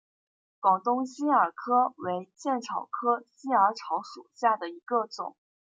广东新耳草为茜草科新耳草属下的一个种。